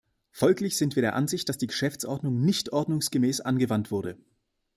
Folglich sind wir der Ansicht, dass die Geschäftsordnung nicht ordnungsgemäß angewandt wurde.